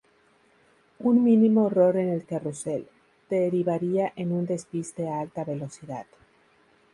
Un mínimo error en el Carrusel, derivaría en un despiste a alta velocidad.